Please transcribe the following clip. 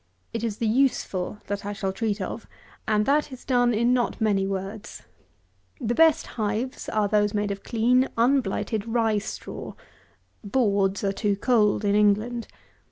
It is the useful that I shall treat of, and that is done in not many words. The best hives are those made of clean unblighted rye straw. Boards are too cold in England.